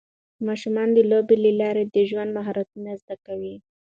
ماشومان د لوبو له لارې د ژوند مهارتونه زده کوي.